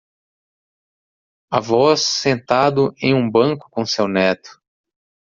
Avós sentado em um banco com seu neto.